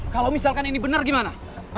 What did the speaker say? kalau misalkan ini benar gimana